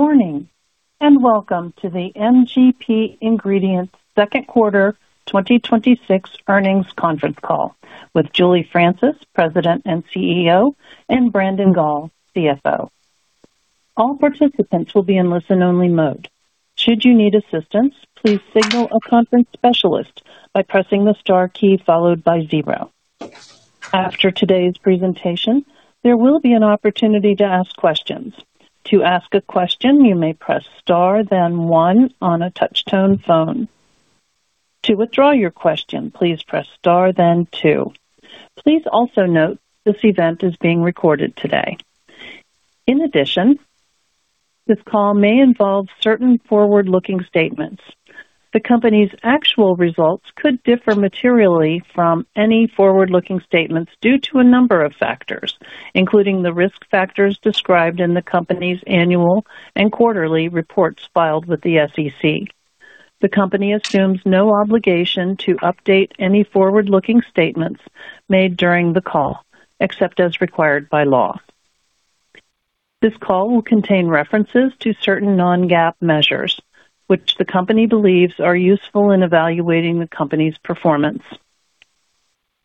Morning, welcome to the MGP Ingredients second quarter 2026 earnings conference call with Julie Francis, President and CEO, and Brandon Gall, CFO. All participants will be in listen-only mode. Should you need assistance, please signal a conference specialist by pressing the star key followed by zero. After today's presentation, there will be an opportunity to ask questions. To ask a question, you may press star one on a touch-tone phone. To withdraw your question, please press star two. Please also note this event is being recorded today. This call may involve certain forward-looking statements. The company's actual results could differ materially from any forward-looking statements due to a number of factors, including the risk factors described in the company's annual and quarterly reports filed with the SEC. The company assumes no obligation to update any forward-looking statements made during the call, except as required by law. This call will contain references to certain non-GAAP measures, which the company believes are useful in evaluating the company's performance.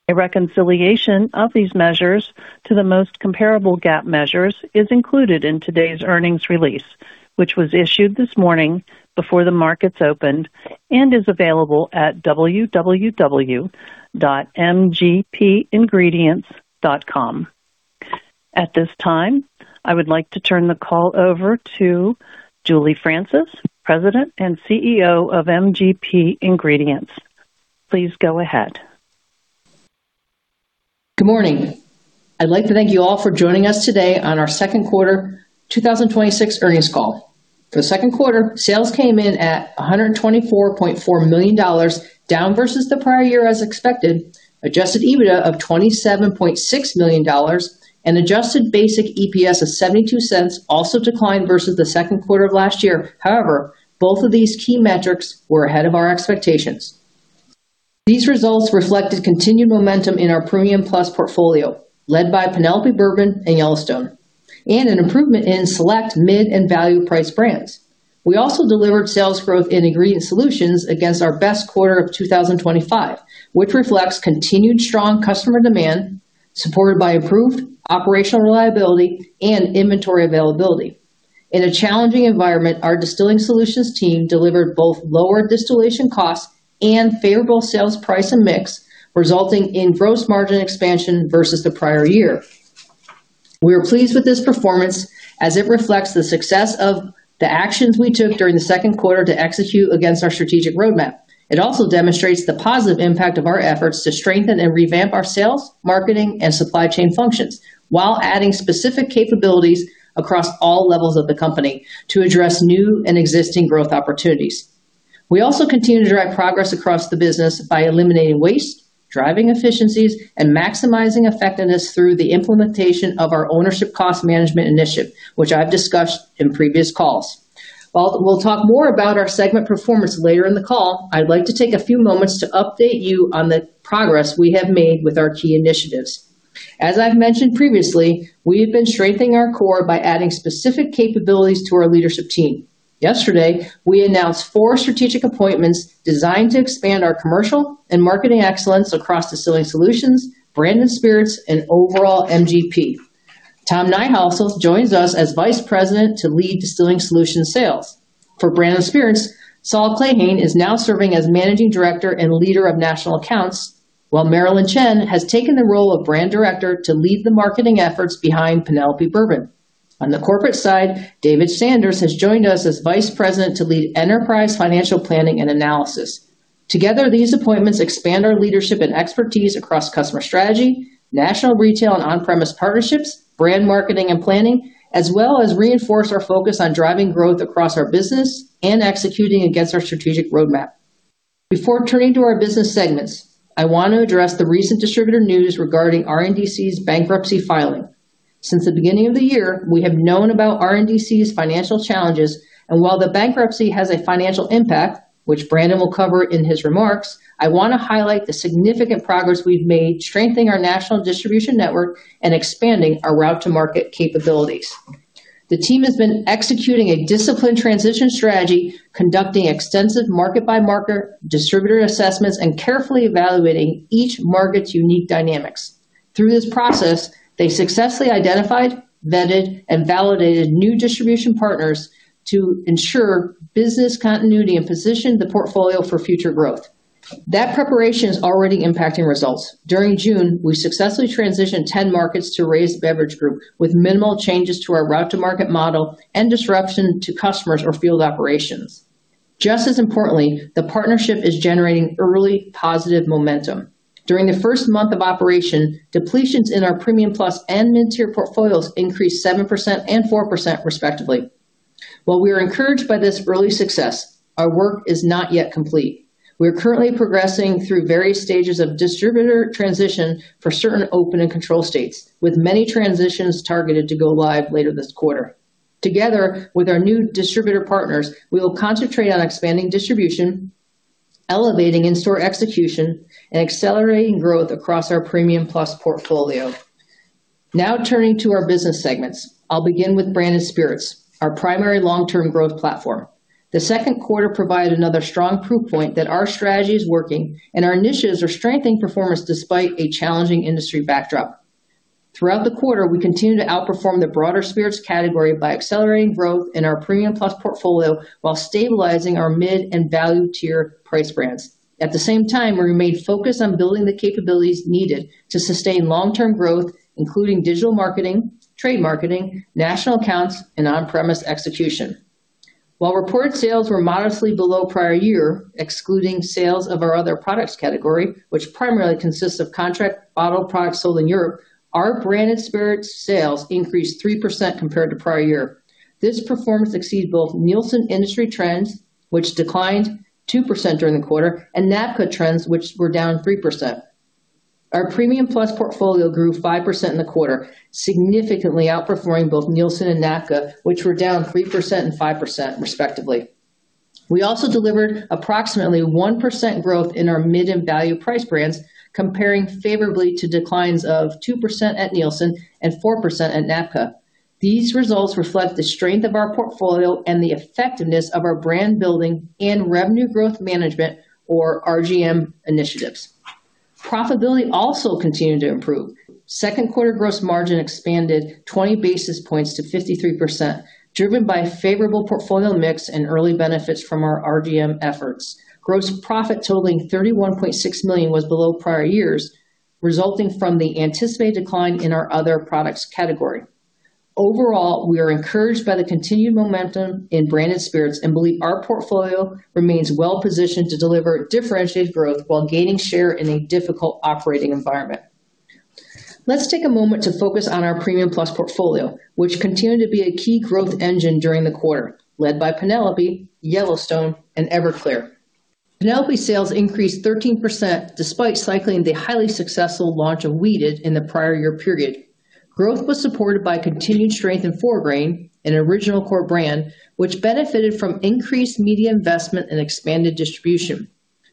A reconciliation of these measures to the most comparable GAAP measures is included in today's earnings release, which was issued this morning before the markets opened and is available at www.mgpingredients.com. At this time, I would like to turn the call over to Julie Francis, President and CEO of MGP Ingredients. Please go ahead. Good morning. I'd like to thank you all for joining us today on our second quarter 2026 earnings call. For the second quarter, sales came in at $124.4 million, down versus the prior year as expected. Adjusted EBITDA of $27.6 million and adjusted basic EPS of $0.72 also declined versus the second quarter of last year. Both of these key metrics were ahead of our expectations. These results reflected continued momentum in our premium plus portfolio, led by Penelope Bourbon and Yellowstone, and an improvement in select mid and value price brands. We also delivered sales growth in Ingredient Solutions against our best quarter of 2025, which reflects continued strong customer demand, supported by improved operational reliability and inventory availability. In a challenging environment, our Distilling Solutions team delivered both lower distillation costs and favorable sales price and mix, resulting in gross margin expansion versus the prior year. We are pleased with this performance as it reflects the success of the actions we took during the second quarter to execute against our strategic roadmap. It also demonstrates the positive impact of our efforts to strengthen and revamp our sales, marketing, and supply chain functions while adding specific capabilities across all levels of the company to address new and existing growth opportunities. We also continue to drive progress across the business by eliminating waste, driving efficiencies, and maximizing effectiveness through the implementation of our Ownership Cost Management Initiative, which I've discussed in previous calls. We'll talk more about our segment performance later in the call, I'd like to take a few moments to update you on the progress we have made with our key initiatives. As I've mentioned previously, we have been strengthening our core by adding specific capabilities to our leadership team. Yesterday, we announced four strategic appointments designed to expand our commercial and marketing excellence across Distilling Solutions, Branded Spirits, and overall MGP. Tom Neiheisel joins us as Vice President to lead Distilling Solutions sales. For Branded Spirits, Sol Clahane is now serving as Managing Director and leader of national accounts, while Marilyn Chen has taken the role of Brand Director to lead the marketing efforts behind Penelope Bourbon. On the corporate side, David Sanders has joined us as Vice President to lead enterprise financial planning and analysis. Together, these appointments expand our leadership and expertise across customer strategy, national retail and on-premise partnerships, brand marketing and planning, as well as reinforce our focus on driving growth across our business and executing against our strategic roadmap. Before turning to our business segments, I want to address the recent distributor news regarding RNDC's bankruptcy filing. Since the beginning of the year, we have known about RNDC's financial challenges, and while the bankruptcy has a financial impact, which Brandon will cover in his remarks, I want to highlight the significant progress we've made strengthening our national distribution network and expanding our route to market capabilities. The team has been executing a disciplined transition strategy, conducting extensive market-by-market distributor assessments, and carefully evaluating each market's unique dynamics. Through this process, they successfully identified, vetted, and validated new distribution partners to ensure business continuity and position the portfolio for future growth. That preparation is already impacting results. During June, we successfully transitioned 10 markets to Reyes Beverage Group with minimal changes to our route to market model and disruption to customers or field operations. Just as importantly, the partnership is generating early positive momentum. During the first month of operation, depletions in our premium plus and mid-tier portfolios increased 7% and 4%, respectively. While we are encouraged by this early success, our work is not yet complete. We are currently progressing through various stages of distributor transition for certain open and control states, with many transitions targeted to go live later this quarter. Together with our new distributor partners, we will concentrate on expanding distribution, elevating in-store execution, and accelerating growth across our premium plus portfolio. Now turning to our business segments. I'll begin with Branded Spirits, our primary long-term growth platform. The second quarter provided another strong proof point that our strategy is working and our initiatives are strengthening performance despite a challenging industry backdrop. Throughout the quarter, we continued to outperform the broader spirits category by accelerating growth in our premium plus portfolio while stabilizing our mid and value tier price brands. At the same time, we remained focused on building the capabilities needed to sustain long-term growth, including digital marketing, trade marketing, national accounts, and on-premise execution. While reported sales were modestly below prior year, excluding sales of our other products category, which primarily consists of contract bottled products sold in Europe, our Branded Spirits sales increased 3% compared to prior year. This performance exceeds both Nielsen industry trends, which declined 2% during the quarter, and NABCA trends, which were down 3%. Our premium plus portfolio grew 5% in the quarter, significantly outperforming both Nielsen and NABCA, which were down 3% and 5%, respectively. We also delivered approximately 1% growth in our mid and value price brands, comparing favorably to declines of 2% at Nielsen and 4% at NABCA. These results reflect the strength of our portfolio and the effectiveness of our brand building and revenue growth management or RGM initiatives. Profitability also continued to improve. Second quarter gross margin expanded 20 basis points to 53%, driven by favorable portfolio mix and early benefits from our RGM efforts. Gross profit totaling $31.6 million was below prior years, resulting from the anticipated decline in our other products category. Overall, we are encouraged by the continued momentum in Branded Spirits and believe our portfolio remains well-positioned to deliver differentiated growth while gaining share in a difficult operating environment. Let's take a moment to focus on our premium plus portfolio, which continued to be a key growth engine during the quarter, led by Penelope, Yellowstone, and Everclear. Penelope sales increased 13% despite cycling the highly successful launch of Wheated in the prior year period. Growth was supported by continued strength in Four Grain, an original core brand, which benefited from increased media investment and expanded distribution.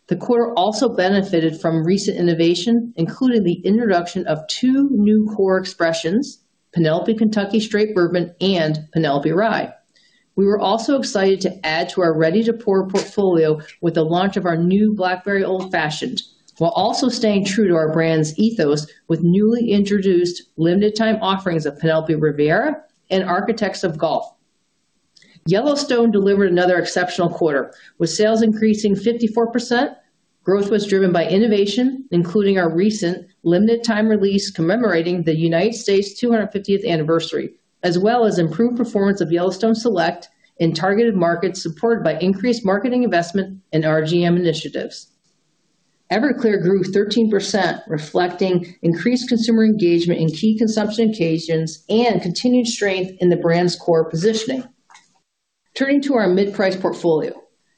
The quarter also benefited from recent innovation, including the introduction of two new core expressions, Penelope Kentucky Straight Bourbon, and Penelope Rye. We were also excited to add to our ready-to-pour portfolio with the launch of our new Blackberry Old Fashioned, while also staying true to our brand's ethos with newly introduced limited time offerings of Penelope Riviera and Architect of Golf. Yellowstone delivered another exceptional quarter, with sales increasing 54%. Growth was driven by innovation, including our recent limited time release commemorating the U.S. 250th anniversary, as well as improved performance of Yellowstone Select in targeted markets supported by increased marketing investment and RGM initiatives. Everclear grew 13%, reflecting increased consumer engagement in key consumption occasions and continued strength in the brand's core positioning. Turning to our mid-price portfolio.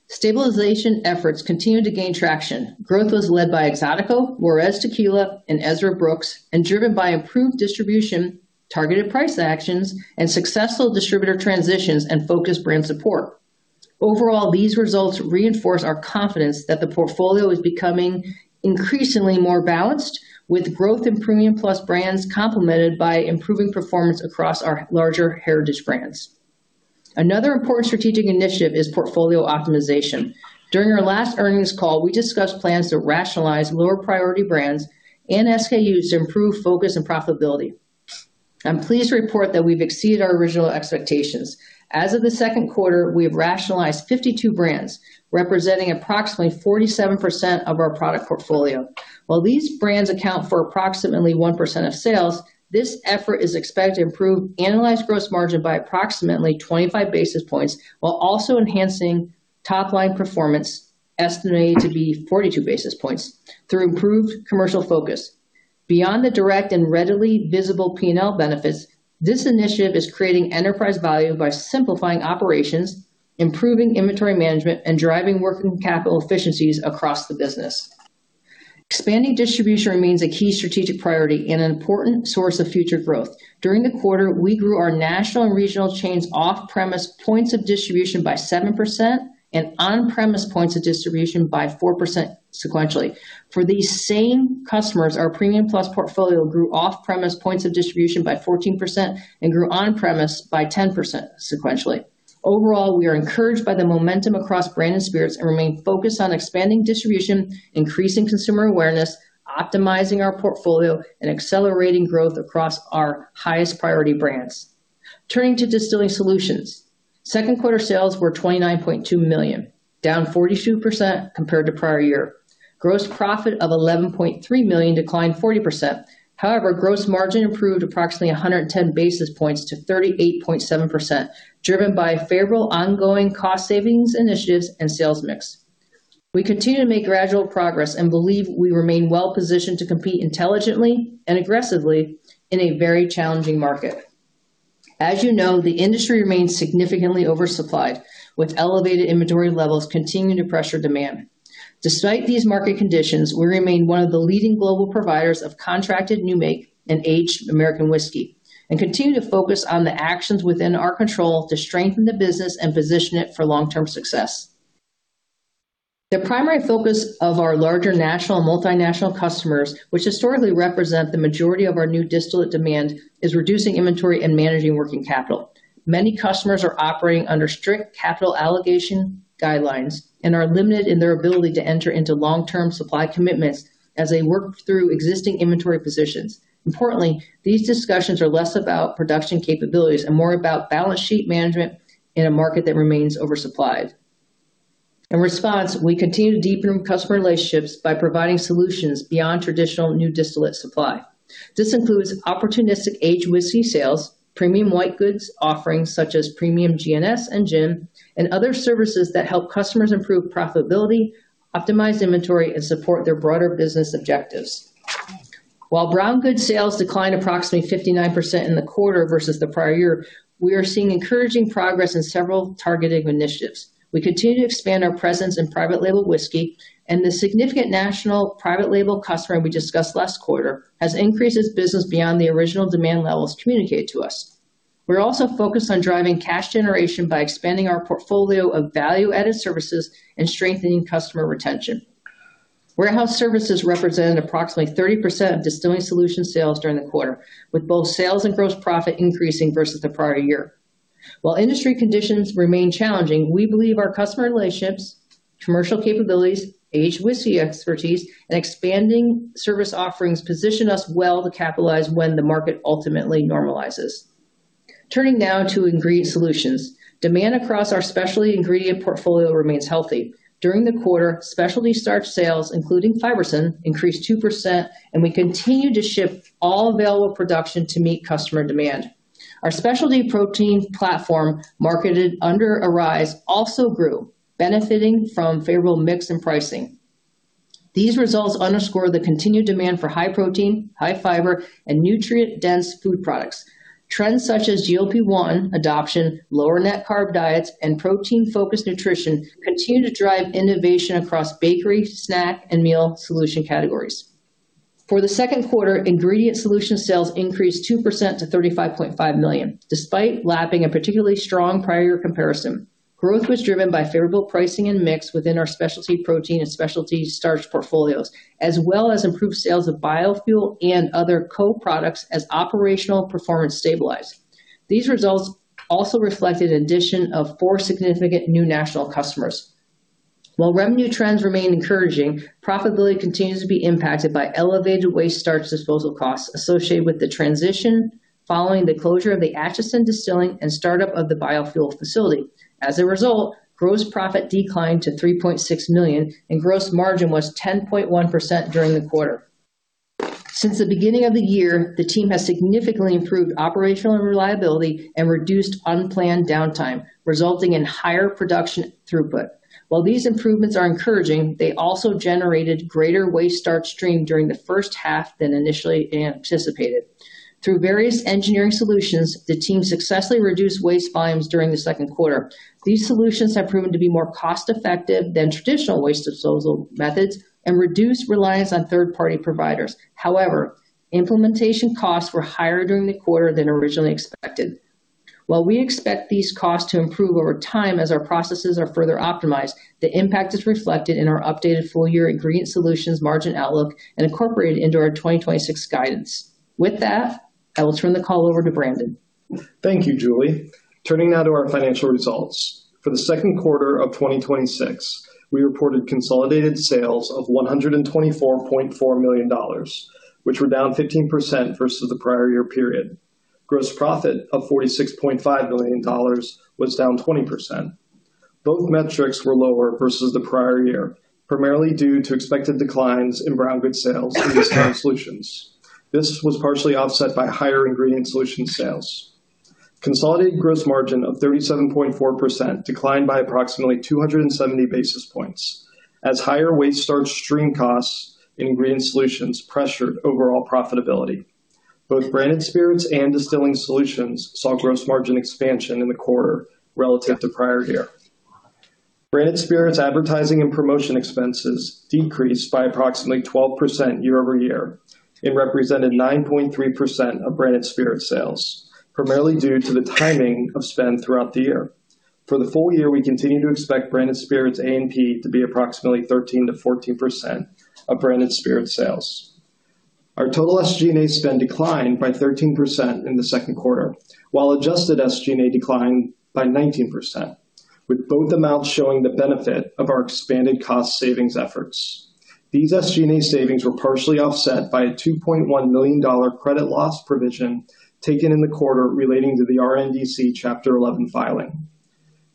Stabilization efforts continued to gain traction. Growth was led by Exotico, Juárez Tequila, and Ezra Brooks, and driven by improved distribution, targeted price actions, and successful distributor transitions and focused brand support. Overall, these results reinforce our confidence that the portfolio is becoming increasingly more balanced, with growth in premium plus brands complemented by improving performance across our larger heritage brands. Another important strategic initiative is portfolio optimization. During our last earnings call, we discussed plans to rationalize lower priority brands and SKUs to improve focus and profitability. I'm pleased to report that we've exceeded our original expectations. As of the second quarter, we have rationalized 52 brands, representing approximately 47% of our product portfolio. While these brands account for approximately 1% of sales, this effort is expected to improve analyzed gross margin by approximately 25 basis points while also enhancing top-line performance, estimated to be 42 basis points, through improved commercial focus. Beyond the direct and readily visible P&L benefits, this initiative is creating enterprise value by simplifying operations, improving inventory management, and driving working capital efficiencies across the business. Expanding distribution remains a key strategic priority and an important source of future growth. During the quarter, we grew our national and regional chains off-premise points of distribution by 7% and on-premise points of distribution by 4% sequentially. For these same customers, our premium plus portfolio grew off-premise points of distribution by 14% and grew on-premise by 10% sequentially. Overall, we are encouraged by the momentum across Branded Spirits and remain focused on expanding distribution, increasing consumer awareness, optimizing our portfolio, and accelerating growth across our highest priority brands. Turning to Distilling Solutions. Second quarter sales were $29.2 million, down 42% compared to prior year. Gross profit of $11.3 million declined 40%. However, gross margin improved approximately 110 basis points to 38.7%, driven by favorable ongoing cost savings initiatives and sales mix. We continue to make gradual progress and believe we remain well-positioned to compete intelligently and aggressively in a very challenging market. As you know, the industry remains significantly oversupplied, with elevated inventory levels continuing to pressure demand. Despite these market conditions, we remain one of the leading global providers of contracted new make and aged American whiskey and continue to focus on the actions within our control to strengthen the business and position it for long-term success. The primary focus of our larger national and multinational customers, which historically represent the majority of our new distillate demand, is reducing inventory and managing working capital. Many customers are operating under strict capital allocation guidelines and are limited in their ability to enter into long-term supply commitments as they work through existing inventory positions. Importantly, these discussions are less about production capabilities and more about balance sheet management in a market that remains oversupplied. In response, we continue to deepen customer relationships by providing solutions beyond traditional new distillate supply. This includes opportunistic aged whiskey sales, premium white goods offerings such as premium GNS and gin, and other services that help customers improve profitability, optimize inventory, and support their broader business objectives. While brown good sales declined approximately 59% in the quarter versus the prior year, we are seeing encouraging progress in several targeted initiatives. We continue to expand our presence in private label whiskey and the significant national private label customer we discussed last quarter has increased its business beyond the original demand levels communicated to us. We are also focused on driving cash generation by expanding our portfolio of value-added services and strengthening customer retention. Warehouse services represented approximately 30% of Distilling Solutions sales during the quarter, with both sales and gross profit increasing versus the prior year. While industry conditions remain challenging, we believe our customer relationships, commercial capabilities, aged whiskey expertise, and expanding service offerings position us well to capitalize when the market ultimately normalizes. Turning now to Ingredient Solutions. Demand across our specialty ingredient portfolio remains healthy. During the quarter, specialty starch sales, including Fibersym, increased 2%, and we continue to ship all available production to meet customer demand. Our specialty protein platform, marketed under Arise, also grew, benefiting from favorable mix and pricing. These results underscore the continued demand for high protein, high fiber, and nutrient-dense food products. Trends such as GLP-1 adoption, lower net carb diets, and protein-focused nutrition continue to drive innovation across bakery, snack, and meal solution categories. For the second quarter, Ingredient Solutions sales increased 2% to $35.5 million, despite lapping a particularly strong prior year comparison. Growth was driven by favorable pricing and mix within our specialty protein and specialty starch portfolios, as well as improved sales of biofuel and other co-products as operational performance stabilized. These results also reflected an addition of four significant new national customers. While revenue trends remain encouraging, profitability continues to be impacted by elevated waste starch disposal costs associated with the transition following the closure of the Atchison Distilling and startup of the biofuel facility. Gross profit declined to $3.6 million, and gross margin was 10.1% during the quarter. Since the beginning of the year, the team has significantly improved operational reliability and reduced unplanned downtime, resulting in higher production throughput. While these improvements are encouraging, they also generated greater waste starch stream during the first half than initially anticipated. Through various engineering solutions, the team successfully reduced waste volumes during the second quarter. These solutions have proven to be more cost-effective than traditional waste disposal methods and reduce reliance on third-party providers. Implementation costs were higher during the quarter than originally expected. We expect these costs to improve over time as our processes are further optimized, the impact is reflected in our updated full-year Ingredient Solutions margin outlook and incorporated into our 2026 guidance. With that, I will turn the call over to Brandon. Thank you, Julie. Turning now to our financial results. For the second quarter of 2026, we reported consolidated sales of $124.4 million, which were down 15% versus the prior year period. Gross profit of $46.5 million was down 20%. Both metrics were lower versus the prior year, primarily due to expected declines in brown goods sales in Distilling Solutions. This was partially offset by higher Ingredient Solutions sales. Consolidated gross margin of 37.4% declined by approximately 270 basis points as higher waste starch stream costs in Ingredient Solutions pressured overall profitability. Both Branded Spirits and Distilling Solutions saw gross margin expansion in the quarter relative to prior year. Branded Spirits advertising and promotion expenses decreased by approximately 12% year-over-year and represented 9.3% of Branded Spirits sales, primarily due to the timing of spend throughout the year. For the full year, we continue to expect Branded Spirits A&P to be approximately 13%-14% of Branded Spirits sales. Our total SG&A spend declined by 13% in the second quarter, while adjusted SG&A declined by 19%, with both amounts showing the benefit of our expanded cost savings efforts. These SG&A savings were partially offset by a $2.1 million credit loss provision taken in the quarter relating to the RNDC Chapter 11 filing.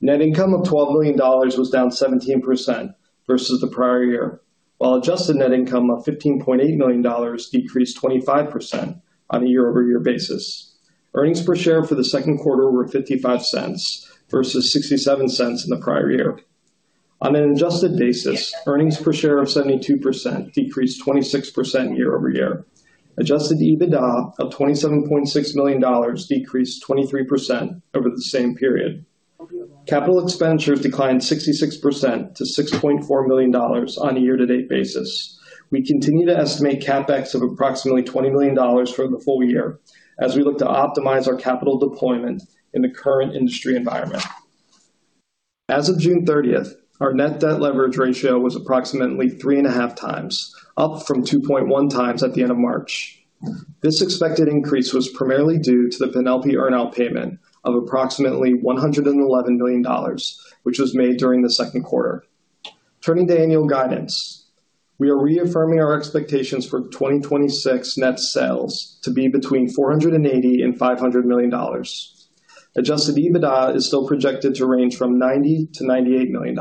Net income of $12 million was down 17% versus the prior year, while adjusted net income of $15.8 million decreased 25% on a year-over-year basis. Earnings per share for the second quarter were $0.55 versus $0.67 in the prior year. On an adjusted basis, earnings per share of $0.72 decreased 26% year-over-year. Adjusted EBITDA of $27.6 million decreased 23% over the same period. Capital expenditures declined 66% to $6.4 million on a year-to-date basis. We continue to estimate CapEx of approximately $20 million for the full year as we look to optimize our capital deployment in the current industry environment. As of June 30th, our net debt leverage ratio was approximately 3.5x, up from 2.1x at the end of March. This expected increase was primarily due to the Penelope earnout payment of approximately $111 million, which was made during the second quarter. Turning to annual guidance, we are reaffirming our expectations for 2026 net sales to be between $480 million and $500 million. Adjusted EBITDA is still projected to range from $90 million-$98 million.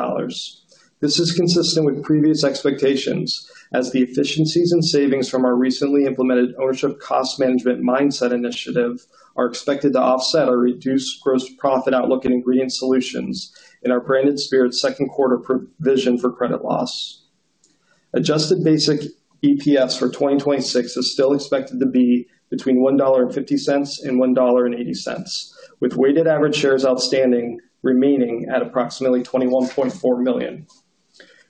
This is consistent with previous expectations, as the efficiencies and savings from our recently implemented ownership cost management mindset initiative are expected to offset or reduce gross profit outlook in Ingredient Solutions in our branded spirits second quarter provision for credit loss. Adjusted basic EPS for 2026 is still expected to be between $1.50 and $1.80, with weighted average shares outstanding remaining at approximately 21.4 million.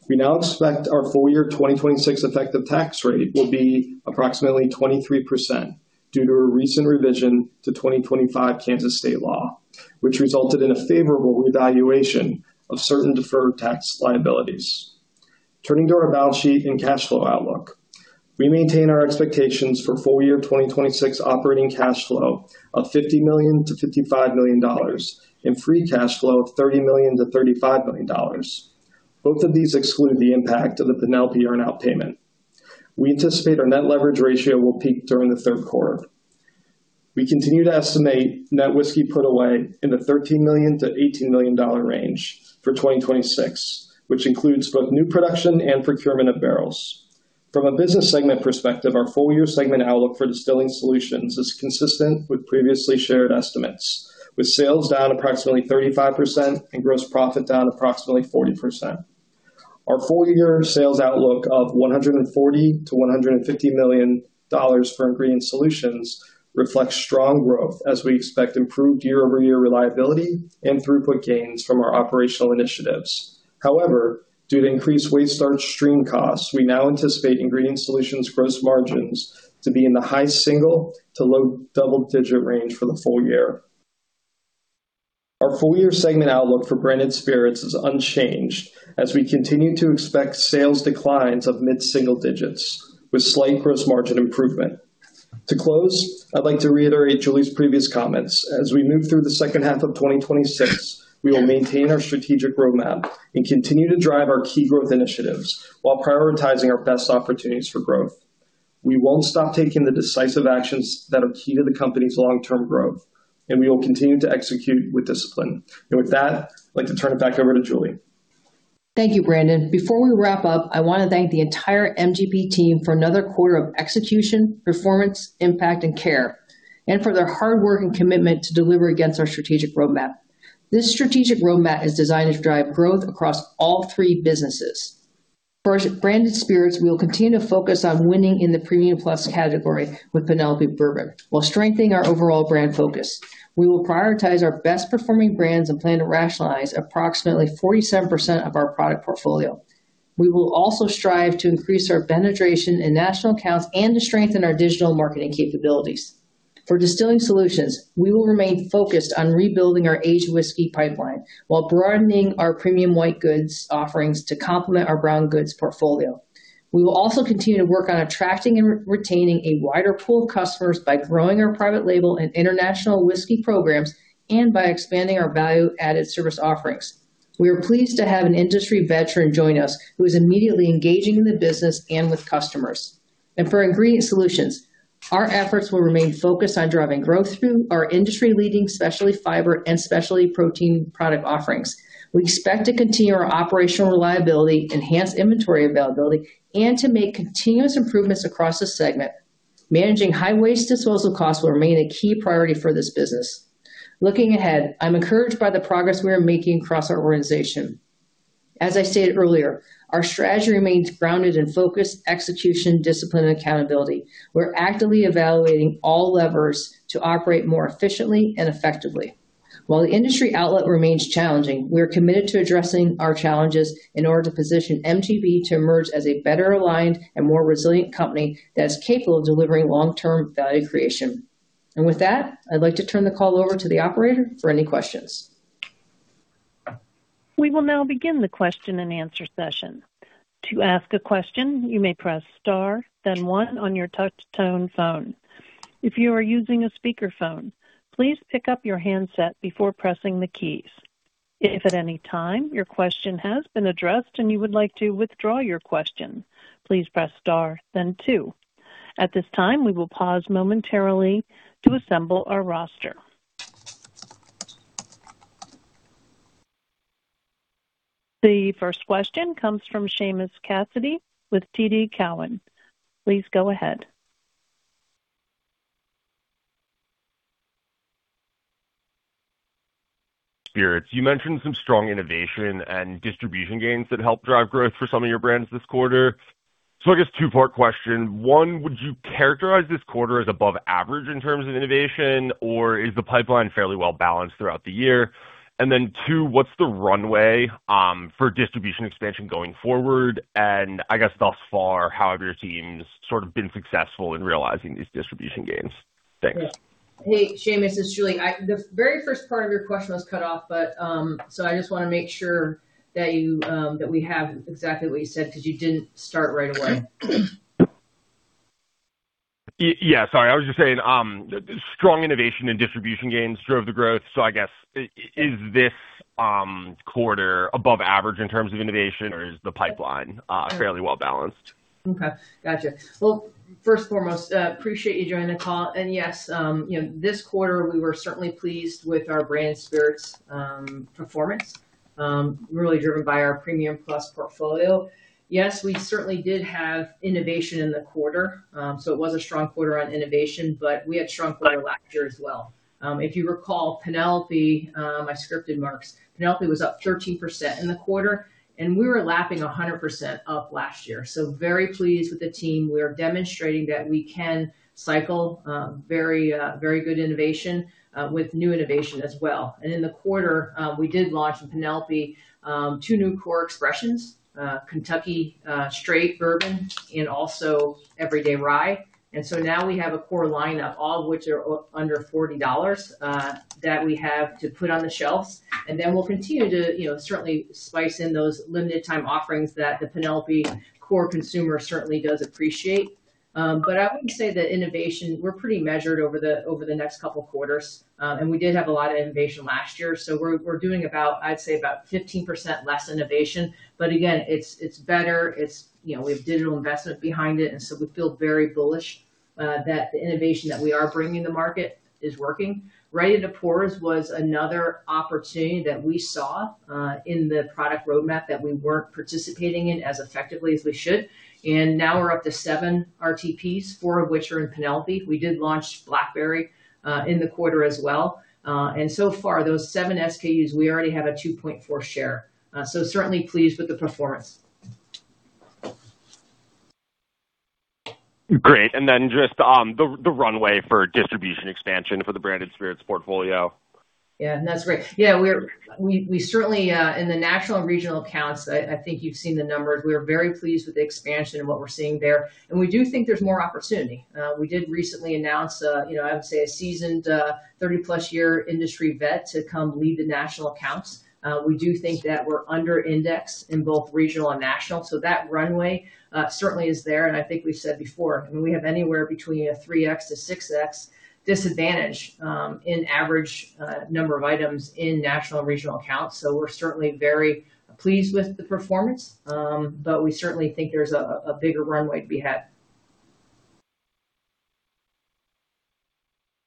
We now expect our full year 2026 effective tax rate will be approximately 23% due to a recent revision to 2025 Kansas state law, which resulted in a favorable revaluation of certain deferred tax liabilities. Turning to our balance sheet and cash flow outlook, we maintain our expectations for full year 2026 operating cash flow of $50 million-$55 million, and free cash flow of $30 million-$35 million. Both of these exclude the impact of the Penelope earnout payment. We anticipate our net leverage ratio will peak during the third quarter. We continue to estimate net whiskey put away in the $13 million-$18 million range for 2026, which includes both new production and procurement of barrels. From a business segment perspective, our full year segment outlook for Distilling Solutions is consistent with previously shared estimates, with sales down approximately 35% and gross profit down approximately 40%. Our full year sales outlook of $140 million-$150 million for Ingredient Solutions reflects strong growth as we expect improved year-over-year reliability and throughput gains from our operational initiatives. However, due to increased waste starch stream costs, we now anticipate Ingredient Solutions gross margins to be in the high single to low double digit range for the full year. Our full year segment outlook for branded spirits is unchanged as we continue to expect sales declines of mid-single digits with slight gross margin improvement. To close, I'd like to reiterate Julie's previous comments. As we move through the second half of 2026, we will maintain our strategic roadmap and continue to drive our key growth initiatives while prioritizing our best opportunities for growth. We won't stop taking the decisive actions that are key to the company's long-term growth, and we will continue to execute with discipline. With that, I'd like to turn it back over to Julie. Thank you, Brandon. Before we wrap up, I want to thank the entire MGP team for another quarter of execution, performance, impact, and care, and for their hard work and commitment to deliver against our strategic roadmap. This strategic roadmap is designed to drive growth across all three businesses. For our branded spirits, we will continue to focus on winning in the premium plus category with Penelope Bourbon while strengthening our overall brand focus. We will prioritize our best performing brands and plan to rationalize approximately 47% of our product portfolio. We will also strive to increase our penetration in national accounts and to strengthen our digital marketing capabilities. For Distilling Solutions, we will remain focused on rebuilding our aged whiskey pipeline while broadening our premium white goods offerings to complement our brown goods portfolio. We will also continue to work on attracting and retaining a wider pool of customers by growing our private label and international whiskey programs, and by expanding our value-added service offerings. We are pleased to have an industry veteran join us who is immediately engaging in the business and with customers. For Ingredient Solutions, our efforts will remain focused on driving growth through our industry-leading specialty fiber and specialty protein product offerings. We expect to continue our operational reliability, enhance inventory availability, and to make continuous improvements across the segment. Managing high waste disposal costs will remain a key priority for this business. Looking ahead, I'm encouraged by the progress we are making across our organization. As I stated earlier, our strategy remains grounded in focused execution, discipline, and accountability. We're actively evaluating all levers to operate more efficiently and effectively. While the industry outlet remains challenging, we are committed to addressing our challenges in order to position MGP to emerge as a better aligned and more resilient company that is capable of delivering long-term value creation. With that, I'd like to turn the call over to the operator for any questions. We will now begin the question-and-answer session. To ask a question, you may press star then one on your touch tone phone. If you are using a speakerphone, please pick up your handset before pressing the keys. If at any time your question has been addressed and you would like to withdraw your question, please press star then two. At this time, we will pause momentarily to assemble our roster. The first question comes from Seamus Cassidy with TD Cowen. Please go ahead. Spirits, you mentioned some strong innovation and distribution gains that helped drive growth for some of your brands this quarter. I guess two-part question. One, would you characterize this quarter as above average in terms of innovation, or is the pipeline fairly well balanced throughout the year? Then two, what's the runway for distribution expansion going forward? I guess thus far, how have your teams sort of been successful in realizing these distribution gains? Thanks. Hey, Seam. This is Julie. The very first part of your question was cut off, so I just want to make sure that we have exactly what you said, because you didn't start right away. Yeah, sorry. I was just saying, strong innovation and distribution gains drove the growth. I guess, is this quarter above average in terms of innovation, or is the pipeline fairly well-balanced? Okay, got you. Well, first and foremost, appreciate you joining the call. Yes, this quarter we were certainly pleased with our Branded Spirits performance. Really driven by our premium plus portfolio. Yes, we certainly did have innovation in the quarter. It was a strong quarter on innovation, but we had strong quarter last year as well. If you recall, Penelope was up 13% in the quarter, and we were lapping 100% up last year. Very pleased with the team. We are demonstrating that we can cycle very good innovation, with new innovation as well. In the quarter, we did launch with Penelope, two new core expressions, Kentucky Straight Bourbon and also Everyday Rye. Now we have a core lineup, all of which are under $40, that we have to put on the shelves. We'll continue to certainly spice in those limited time offerings that the Penelope core consumer certainly does appreciate. We're pretty measured over the next couple of quarters. We did have a lot of innovation last year. We're doing, I'd say about 15% less innovation. Again, it's better. We have digital investment behind it, and we feel very bullish that the innovation that we are bringing to market is working. Ready to Pour was another opportunity that we saw, in the product roadmap that we weren't participating in as effectively as we should. Now we're up to seven RTPs, four of which are in Penelope. We did launch Blackberry in the quarter as well. So far, those seven SKUs, we already have a 2.4 share. Certainly pleased with the performance. Great. Just the runway for distribution expansion for the Branded Spirits portfolio. That's great. We certainly, in the national and regional accounts, I think you've seen the numbers. We are very pleased with the expansion and what we're seeing there. We do think there's more opportunity. We did recently announce, I would say a seasoned, 30+ year industry vet to come lead the national accounts. We do think that we're under indexed in both regional and national. That runway certainly is there, and I think we've said before. I mean, we have anywhere between a 3X to 6X disadvantage, in average number of items in national and regional accounts. We're certainly very pleased with the performance, we certainly think there's a bigger runway to be had.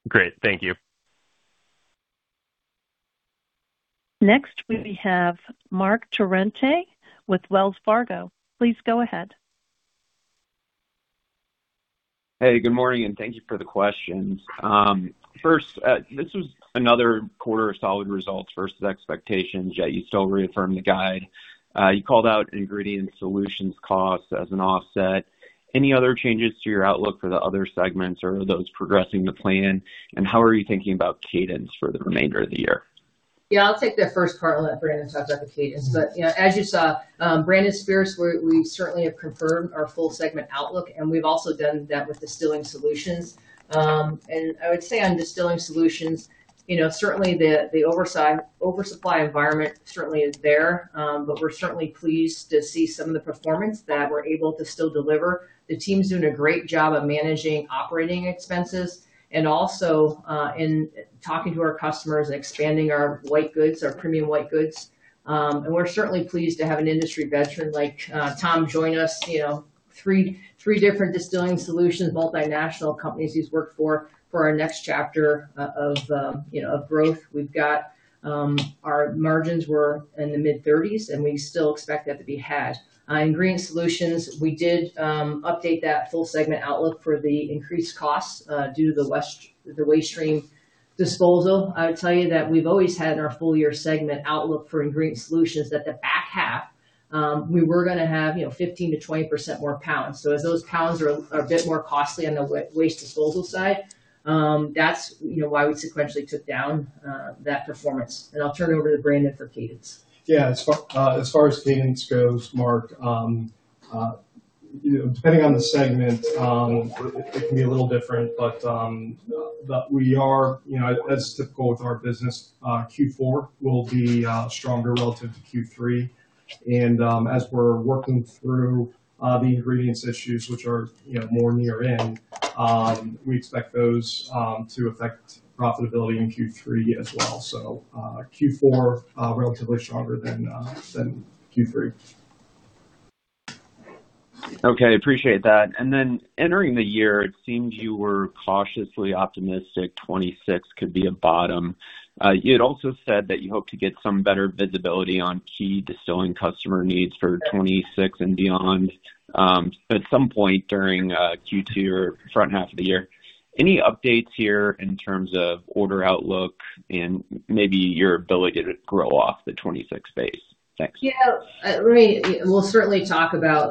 Great. Thank you. Next we have Marc Torrente with Wells Fargo. Please go ahead. Hey, good morning, and thank you for the questions. First, this was another quarter of solid results versus expectations, yet you still reaffirmed the guide. You called out Ingredient Solutions costs as an offset. Any other changes to your outlook for the other segments or are those progressing to plan? How are you thinking about cadence for the remainder of the year? Yeah, I'll take the first part. I'll let Brandon talk about the cadence. As you saw, Branded Spirits, we certainly have confirmed our full segment outlook, and we've also done that with Distilling Solutions. I would say on Distilling Solutions, certainly the oversupply environment certainly is there. We're certainly pleased to see some of the performance that we're able to still deliver. The team's doing a great job of managing operating expenses, and also, in talking to our customers, expanding our white goods, our premium white goods. We're certainly pleased to have an industry veteran like Tom join us. Three different Distilling Solutions multinational companies he's worked for our next chapter of growth. We've got our margins were in the mid 30s, and we still expect that to be had. In Ingredient Solutions, we did update that full segment outlook for the increased costs, due to the waste stream disposal. I would tell you that we've always had in our full year segment outlook for Ingredient Solutions that the back half, we were going to have 15%-20% more pounds. As those pounds are a bit more costly on the waste disposal side, that's why we sequentially took down that performance. I'll turn it over to Brandon for cadence. Yeah. As far as cadence goes, Marc, depending on the segment, it can be a little different. We are, as typical with our business, Q4 will be stronger relative to Q3. As we're working through the ingredients issues, which are more near in, we expect those to affect profitability in Q3 as well. Q4, relatively stronger than Q3. Appreciate that. Entering the year, it seemed you were cautiously optimistic 2026 could be a bottom. You had also said that you hope to get some better visibility on key Distilling customer needs for 2026 and beyond. At some point during Q2 or front half of the year. Any updates here in terms of order outlook and maybe your ability to grow off the 2026 base?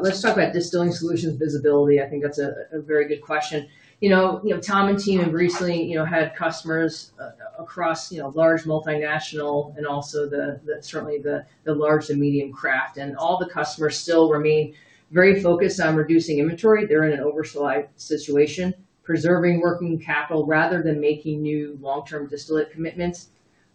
Let's talk about Distilling Solutions visibility. I think that's a very good question. Tom and team have recently had customers across large multinational, and also certainly the large and medium craft. All the customers still remain very focused on reducing inventory. They're in an oversell situation, preserving working capital rather than making new long-term distillate commitments.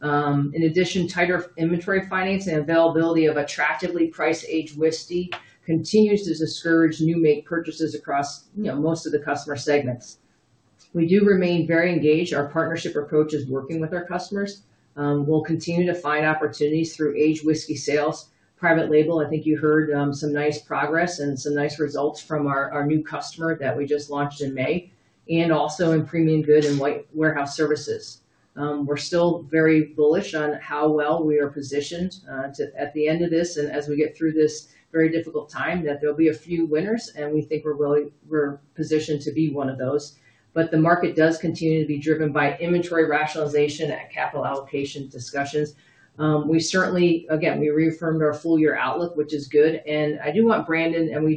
In addition, tighter inventory finance and availability of attractively priced aged whiskey continues to discourage new make purchases across most of the customer segments. We do remain very engaged. Our partnership approach is working with our customers. We'll continue to find opportunities through aged whiskey sales, private label, I think you heard some nice progress and some nice results from our new customer that we just launched in May, and also in premium good and white warehouse services. We're still very bullish on how well we are positioned at the end of this, and as we get through this very difficult time, that there'll be a few winners, and we think we're positioned to be one of those. The market does continue to be driven by inventory rationalization and capital allocation discussions. Again, we reaffirmed our full year outlook, which is good. We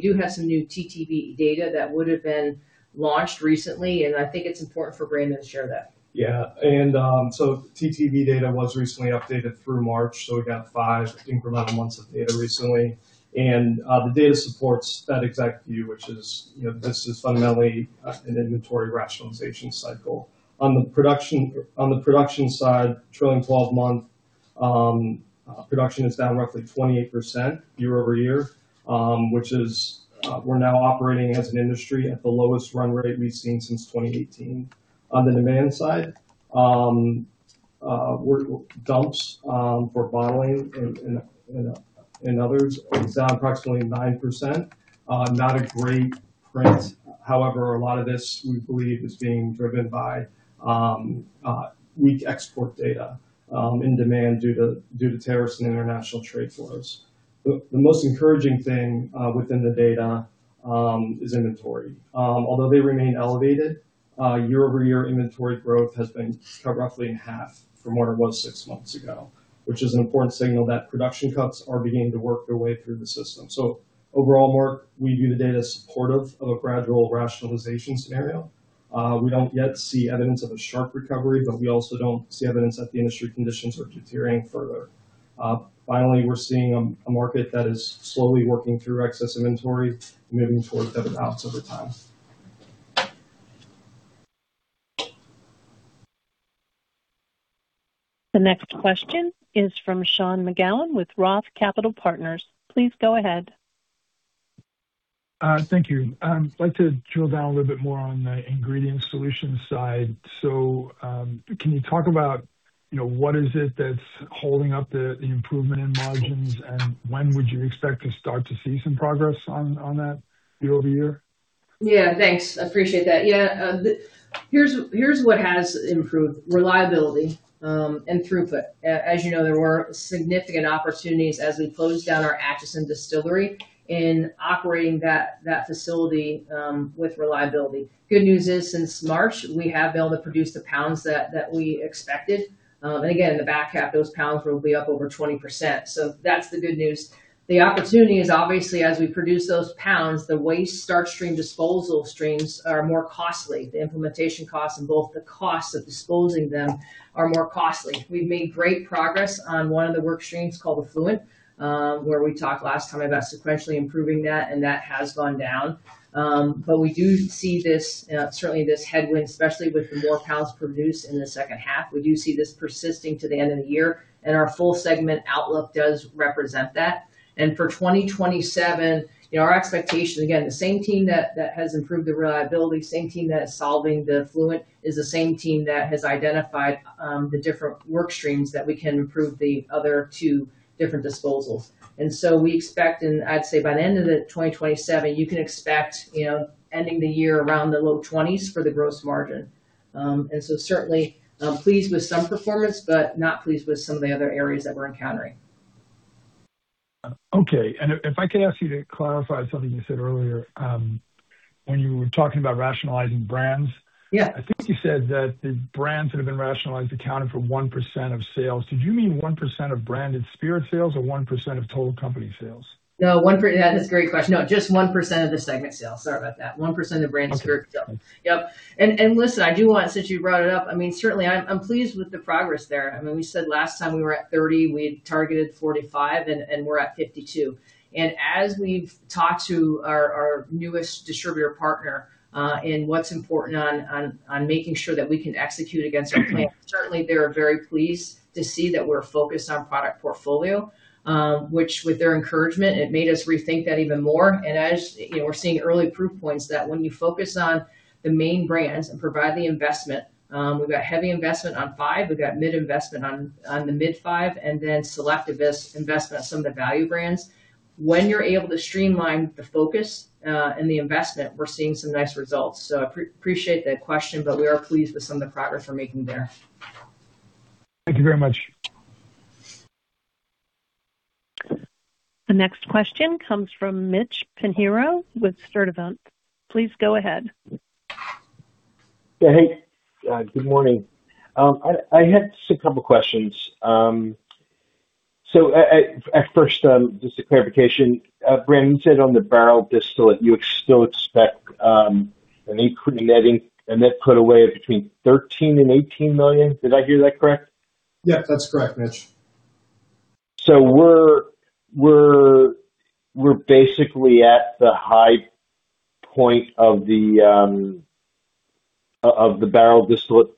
do have some new TTB data that would've been launched recently, and I think it's important for Brandon to share that. TTB data was recently updated through March, so we got five incremental months of data recently. The data supports that exact view, which is, this is fundamentally an inventory rationalization cycle. On the production side, trailing 12-month production is down roughly 28% year-over-year. We're now operating as an industry at the lowest run rate we've seen since 2018. On the demand side, dumps for bottling and others is down approximately 9%. Not a great print. However, a lot of this, we believe, is being driven by weak export data in demand due to tariffs and international trade flows. The most encouraging thing within the data is inventory. Although they remain elevated, year-over-year inventory growth has been cut roughly in half from where it was six months ago, which is an important signal that production cuts are beginning to work their way through the system. Overall, Mark, we view the data as supportive of a gradual rationalization scenario. We don't yet see evidence of a sharp recovery, but we also don't see evidence that the industry conditions are deteriorating further. Finally, we're seeing a market that is slowly working through excess inventory, moving towards better balance over time. The next question is from Sean McGowan with Roth Capital Partners. Please go ahead. Thank you. I'd like to drill down a little bit more on the Ingredient Solutions side. Can you talk about what is it that's holding up the improvement in margins, and when would you expect to start to see some progress on that year-over-year? Yeah, thanks. Appreciate that. Here's what has improved, reliability and throughput. As you know, there were significant opportunities as we closed down our Atchison distillery in operating that facility with reliability. Good news is, since March, we have been able to produce the pounds that we expected. Again, in the back half, those pounds will be up over 20%. That's the good news. The opportunity is obviously as we produce those pounds, the waste starch stream disposal streams are more costly. The implementation costs and both the costs of disposing them are more costly. We've made great progress on one of the work streams called Effluent, where we talked last time about sequentially improving that, and that has gone down. We do see certainly this headwind, especially with the more pounds produced in the second half. We do see this persisting to the end of the year, our full segment outlook does represent that. For 2027, our expectation, again, the same team that has improved the reliability, same team that is solving the Effluent, is the same team that has identified the different work streams that we can improve the other two different disposals. We expect, I'd say by the end of 2027, you can expect ending the year around the low 20s for the gross margin. Certainly, pleased with some performance, but not pleased with some of the other areas that we're encountering. Okay. If I could ask you to clarify something you said earlier, when you were talking about rationalizing brands. Yeah. I think you said that the brands that have been rationalized accounted for 1% of sales. Did you mean 1% of Branded Spirits sales or 1% of total company sales? No, 1%. Yeah, that's a great question. No, just 1% of the segment sales. Sorry about that. 1% of Branded Spirits sales. Okay. Yep. Listen, since you brought it up, certainly I'm pleased with the progress there. We said last time we were at 30, we had targeted 45, and we're at 52. As we've talked to our newest distributor partner in what's important on making sure that we can execute against our plan, certainly they are very pleased to see that we're focused on product portfolio. Which with their encouragement, it made us rethink that even more. As we're seeing early proof points that when you focus on the main brands and provide the investment, we've got heavy investment on five, we've got mid investment on the mid five, and then select investment on some of the value brands. When you're able to streamline the focus and the investment, we're seeing some nice results. Appreciate that question, we are pleased with some of the progress we're making there. Thank you very much. The next question comes from Mitch Pinheiro with Stifel. Please go ahead. Good morning. I had just a couple questions. At first, just a clarification. Bran, you said on the barrel distillate, you still expect a net put away of between $13 million-$18 million. Did I hear that correct? Yeah, that's correct, Mitch. We're basically at the high point of the barrel distillate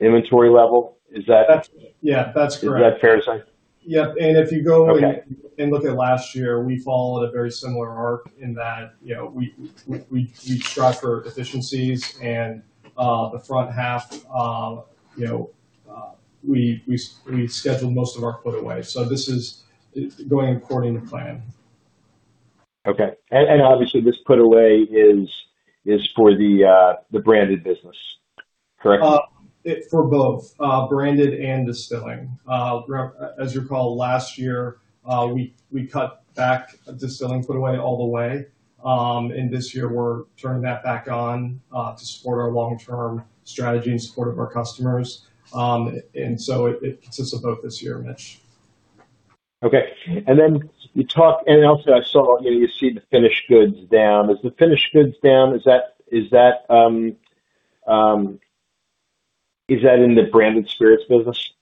inventory level. Is that correct? Yeah, that's correct. Is that fair to say? Yep. If you go. Okay Look at last year, we followed a very similar arc in that, we strive for efficiencies and, the front half, we schedule most of our put away. This is going according to plan. Okay. Obviously, this put away is for the branded business, correct? For both, Branded and Distilling. As you recall, last year, we cut back Distilling put away all the way. This year, we're turning that back on, to support our long-term strategy and support of our customers. It consists of both this year, Mitch. Okay. Also I saw, you see the finished goods down. Is the finished goods down, is that in the Branded Spirits business?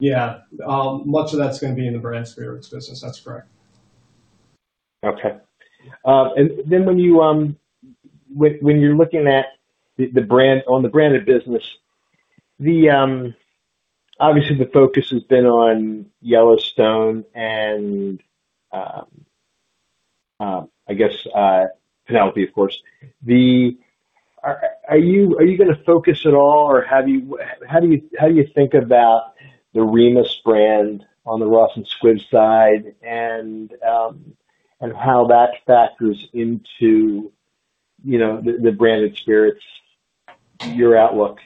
Yeah. Much of that's going to be in the Branded Spirits business. That's correct. Okay. Then when you're looking at on the Branded business, obviously the focus has been on Yellowstone and, I guess, Penelope, of course. Are you going to focus at all, or how do you think about the Remus brand on the Ross & Squibb side and how that factors into the Branded Spirits, your outlook?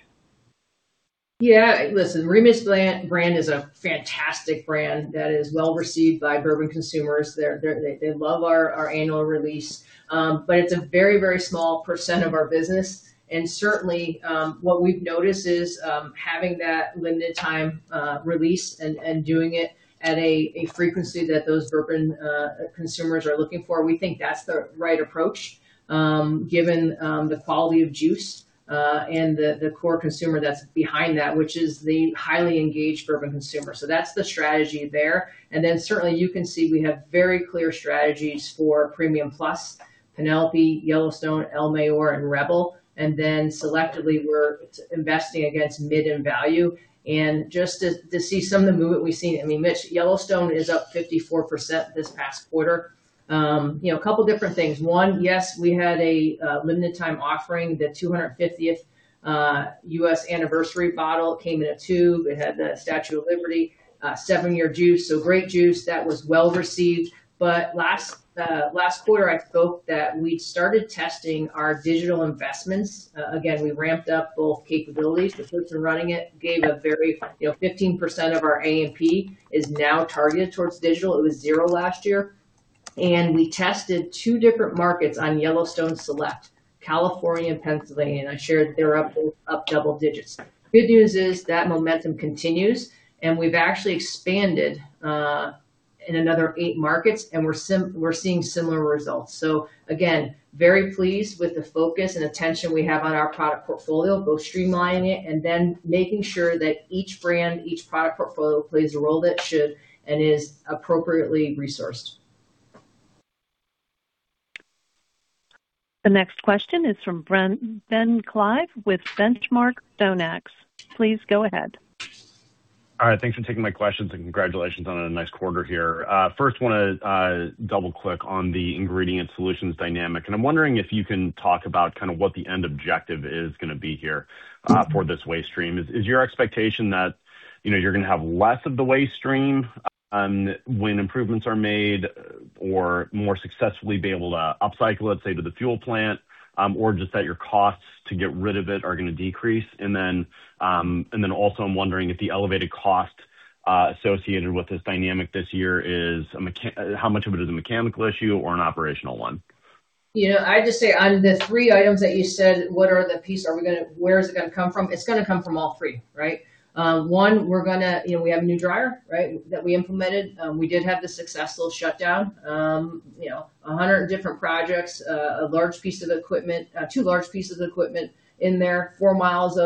Listen, Remus brand is a fantastic brand that is well received by bourbon consumers. They love our annual release. It's a very small percent of our business. Certainly, what we've noticed is, having that limited time release and doing it at a frequency that those bourbon consumers are looking for, we think that's the right approach, given the quality of juice, and the core consumer that's behind that, which is the highly engaged bourbon consumer. That's the strategy there. Certainly, you can see we have very clear strategies for premium plus, Penelope, Yellowstone, El Mayor, and Rebel. Selectively, we're investing against mid and value. Just to see some of the movement we've seen, Mitch, Yellowstone is up 54% this past quarter. A couple different things. One, yes, we had a limited time offering. The 250th U.S. anniversary bottle came in a tube. It had the Statue of Liberty, seven-year juice. Great juice. That was well received. Last quarter, I spoke that we started testing our digital investments. Again, we ramped up both capabilities, the folks are running it, gave a very 15% of our A&P is now targeted towards digital. It was zero last year. We tested two different markets on Yellowstone Select, California and Pennsylvania. I shared they're up double digits. Good news is that momentum continues, and we've actually expanded in another eight markets, and we're seeing similar results. Again, very pleased with the focus and attention we have on our product portfolio, both streamlining it and then making sure that each brand, each product portfolio plays a role that it should and is appropriately resourced. The next question is from Ben Klieve with The Benchmark Company. Please go ahead. All right. Thanks for taking my questions, and congratulations on a nice quarter here. First, want to double-click on the Ingredient Solutions dynamic. I'm wondering if you can talk about what the end objective is going to be here for this waste stream. Is your expectation that you're going to have less of the waste stream, when improvements are made or more successfully be able to upcycle, let's say, to the fuel plant, or just that your costs to get rid of it are going to decrease? Also, I'm wondering if the elevated cost associated with this dynamic this year is, how much of it is a mechanical issue or an operational one? I just say on the three items that you said, what are the piece, where is it going to come from? It's going to come from all three, right? One, we have a new dryer that we implemented. We did have the successful shutdown. 100 different projects, two large pieces of equipment in there. 4 mi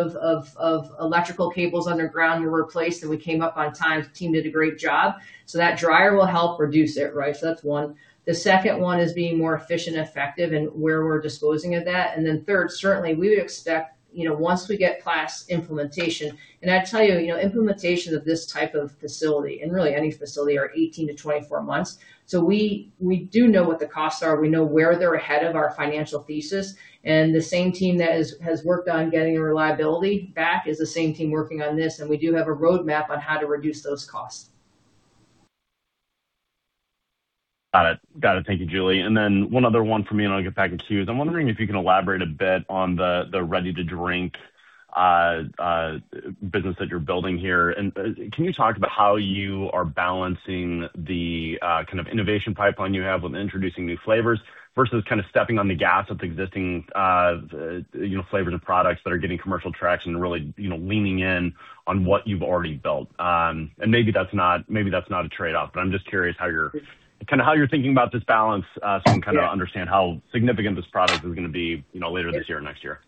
of electrical cables underground were replaced, and we came up on time. The team did a great job. That dryer will help reduce it. That's one. The second one is being more efficient and effective in where we're disposing of that. Then third, certainly, we would expect, once we get class implementation, and I tell you, implementation of this type of facility, and really any facility, are 18-24 months. We do know what the costs are. We know where they're ahead of our financial thesis. The same team that has worked on getting reliability back is the same team working on this. We do have a roadmap on how to reduce those costs. Got it. Thank you, Julie. Then one other one from me, and I'll get back in queue. I'm wondering if you can elaborate a bit on the ready-to-drink business that you're building here. Can you talk about how you are balancing the kind of innovation pipeline you have with introducing new flavors versus kind of stepping on the gas with existing flavors and products that are getting commercial traction and really leaning in on what you've already built? Maybe that's not a trade-off, but I'm just curious how you're thinking about this balance so we can kind of understand how significant this product is going to be later this year or next year.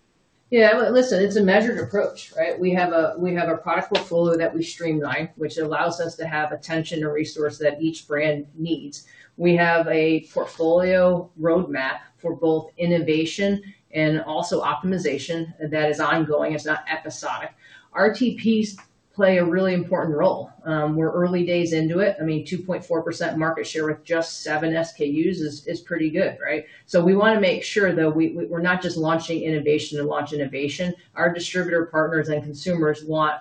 Yeah. Listen, it's a measured approach, right? We have a product portfolio that we streamline, which allows us to have attention to resource that each brand needs. We have a portfolio roadmap for both innovation and also optimization that is ongoing. It's not episodic. RTPs play a really important role. We're early days into it. I mean 2.4% market share with just seven SKUs is pretty good, right? We want to make sure, though, we're not just launching innovation to launch innovation. Our distributor partners and consumers want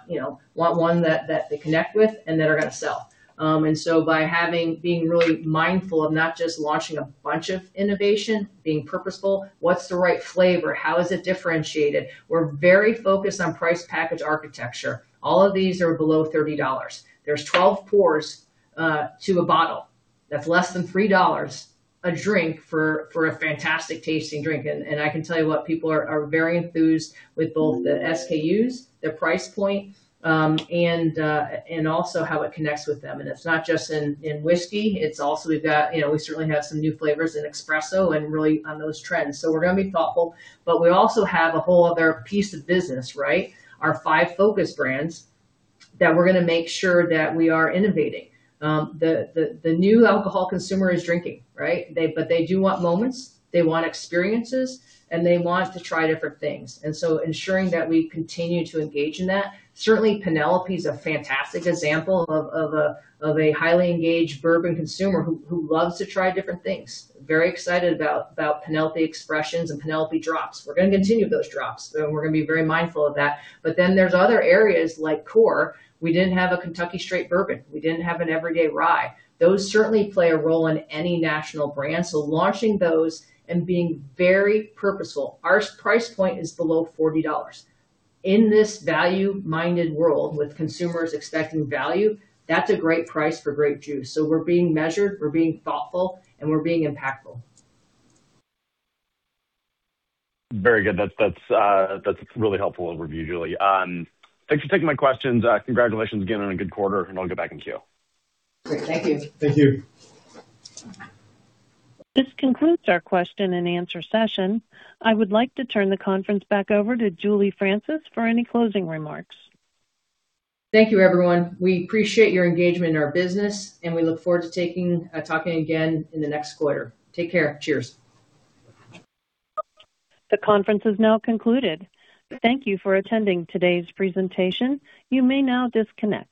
one that they connect with and that are going to sell. By being really mindful of not just launching a bunch of innovation, being purposeful, what's the right flavor? How is it differentiated? We're very focused on price package architecture. All of these are below $30. There's 12 pours to a bottle. That's less than $3 a drink for a fantastic tasting drink. I can tell you what, people are very enthused with both the SKUs, the price point, and also how it connects with them. It's not just in whiskey. We certainly have some new flavors in espresso and really on those trends. We're going to be thoughtful. We also have a whole other piece of business, right? Our five focus brands that we're going to make sure that we are innovating. The new alcohol consumer is drinking, right? They do want moments, they want experiences, and they want to try different things. Ensuring that we continue to engage in that. Certainly, Penelope's a fantastic example of a highly engaged bourbon consumer who loves to try different things. Very excited about Penelope Expressions and Penelope Drops. We're going to continue those drops, and we're going to be very mindful of that. There's other areas like Core. We didn't have a Kentucky Straight Bourbon. We didn't have an Everyday Rye. Those certainly play a role in any national brand. Launching those and being very purposeful. Our price point is below $40. In this value-minded world with consumers expecting value, that's a great price for great juice. We're being measured, we're being thoughtful, and we're being impactful. Very good. That's a really helpful overview, Julie. Thanks for taking my questions. Congratulations again on a good quarter, I'll get back in queue. Great. Thank you. Thank you. This concludes our question-and-answer session. I would like to turn the conference back over to Julie Francis for any closing remarks. Thank you, everyone. We appreciate your engagement in our business, and we look forward to talking again in the next quarter. Take care. Cheers. The conference is now concluded. Thank you for attending today's presentation. You may now disconnect.